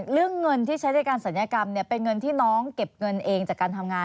เรื่องเงินที่ใช้ในการศัลยกรรมเป็นเงินที่น้องเก็บเงินเองจากการทำงาน